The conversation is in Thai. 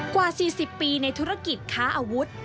กว่า๔๐ปีในธุรกิจค้าอาวุธ